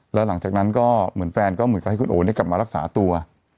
แล้วหลังจากนั้นก็เหมือนแฟนก็เหมือนกับให้คุณโอได้กลับมารักษาตัว